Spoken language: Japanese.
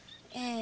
え？